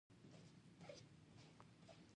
وری د کروندګرو لپاره مهم موسم دی.